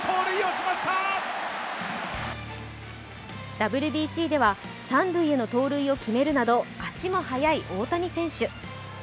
ＷＢＣでは三塁への盗塁を決めるなど足も速い大谷選手。